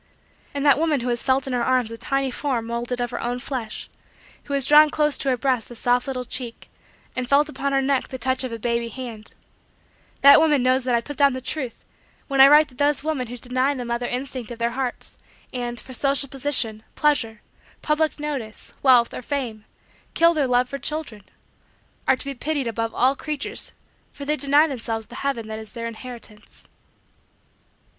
And that woman who has felt in her arms a tiny form moulded of her own flesh who has drawn close to her breast a soft little cheek and felt upon her neck the touch of a baby hand that woman knows that I put down the truth when I write that those women who deny the mother instinct of their hearts and, for social position, pleasure, public notice, wealth, or fame, kill their love for children, are to be pitied above all creatures for they deny themselves the heaven that is their inheritance.